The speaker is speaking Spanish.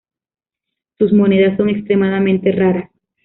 Sus monedas son extremadamente raras.